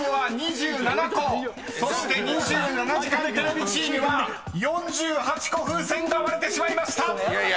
［そして２７時間テレビチームは４８個風船が割れてしまいました！］